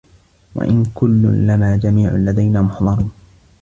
وَإِن كُلٌّ لَمّا جَميعٌ لَدَينا مُحضَرونَ